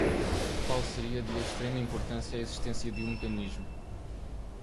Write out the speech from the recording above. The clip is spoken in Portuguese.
qual seria de extrema importância a existência de um mecanismo